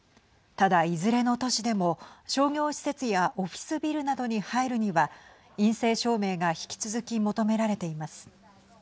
ただ、いずれの都市でも商業施設やオフィスビルなどに入るには陰性証明が引き続き求められています。